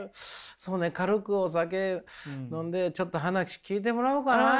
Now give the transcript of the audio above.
そうね軽くお酒飲んでちょっと話聞いてもらおうかな。